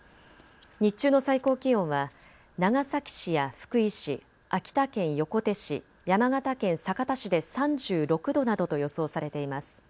日中の最高気温は長崎市や福井市、秋田県横手市、山形県酒田市で３６度などと予想されています。